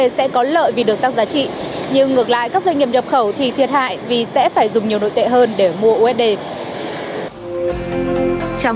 sẽ có lợi vì được tăng giá trị nhưng ngược lại các doanh nghiệp nhập khẩu thì thiệt hại